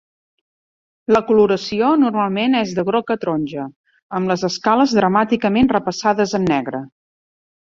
La coloració normalment és de groc a taronja, amb les escales dramàticament repassades en negre.